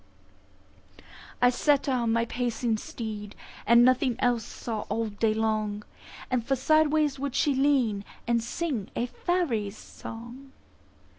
I set her on my pacing steed, And nothing else saw all day long; For sideways would she lean, and sing A faery's song.